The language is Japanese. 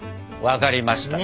分かりました！